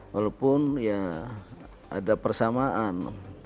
walaupun ya ada persamaan